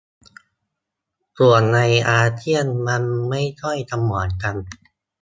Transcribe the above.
ส่วนในอาเซียนมันไม่ค่อยจะเหมือนกัน